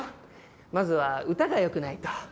まずは歌が良くないと。